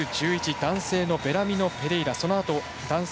男性のベラミノペレイラ男性